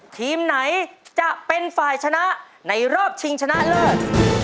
ทีมไหนจะเป็นฝ่ายชนะในรอบชิงชนะเลิศ